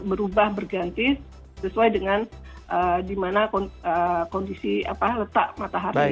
berubah berganti sesuai dengan di mana kondisi letak matahari